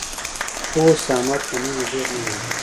اوس احمد له مینې ډېر نه ویني.